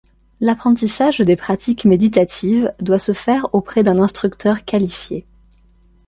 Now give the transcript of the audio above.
L'apprentissage des pratiques méditatives doit se faire auprès d'un instructeur qualifié.